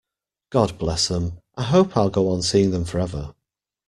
God bless 'em, I hope I'll go on seeing them forever.